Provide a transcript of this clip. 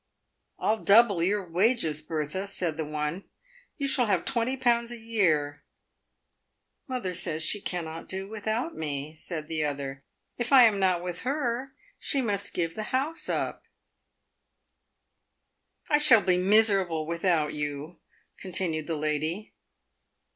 " I'll double your wages, Bertha," said the one. " You shall have twenty pounds a year." " Mother says she cannot do without me," said the other. " If I am not with her she must give the house up." T 274 PAVED WITH GOLD. " I shall be miserable without you," continued the lady.